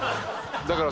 だから。